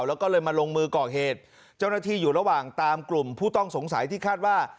แล้วก็เลยมาลงมือก่อเหตุเจ้าหน้าที่อยู่ระหว่างตามกลุ่มผู้ต้องสงสัยที่คาดว่า